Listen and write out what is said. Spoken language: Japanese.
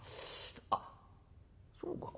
あっそうか。